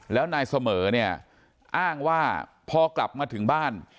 แล้วนายเสมอเนี่ยอ้างว่าพอกลับมาถึงบ้าน